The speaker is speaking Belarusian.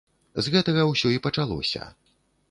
З гэтага ўсё і пачалося.